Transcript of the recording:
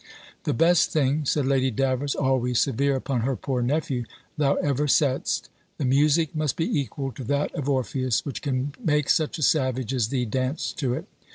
"The best thing," said Lady Davers (always severe upon her poor nephew), "thou ever saidst. The music must be equal to that of Orpheus, which can make such a savage as thee dance to it.